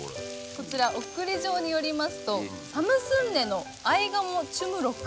こちら送り状によりますとサムスンネの合鴨チュムロク。